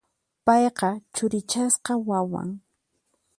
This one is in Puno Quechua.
Payqa churichasqa wawan.